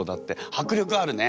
迫力あるね。